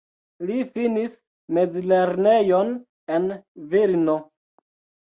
Li finis mezlernejon en Vilno.